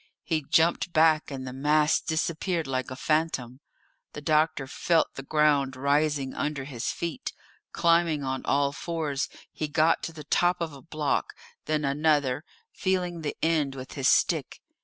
He jumped back and the mass disappeared like a phantom. The doctor felt the ground rising under his feet; climbing on all fours he got to the top of a block, then another, feeling the end with his stick.